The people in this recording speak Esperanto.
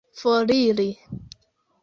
foriri